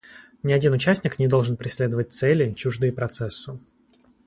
Ни один участник не должен преследовать цели, чуждые Процессу.